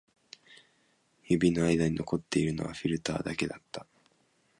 指の間に残っているのはフィルターだけだった